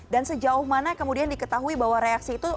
dan sejauh mana kemudian diketahui bahwa reaksi itu